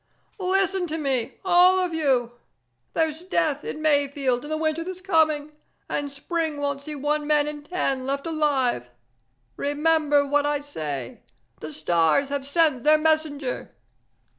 Listen to me, all of you! There's death in Mayfield in the winter that's coming, and spring won't see one man in ten left alive. Remember what I say. The stars have sent their messenger...."